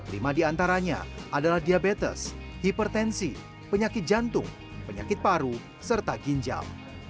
lima diantaranya adalah diabetes hipertensi penyakit jantung penyakit paru serta ginjal